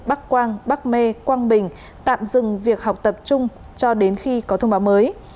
bắc quang bắc mê quang bình tạm dừng việc học tập trung cho đến khi có thông báo mới